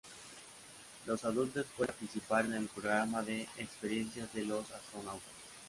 Los adultos pueden participar en el programa de Experiencias de los Astronautas.